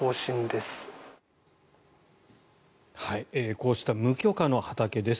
こうした無許可の畑です。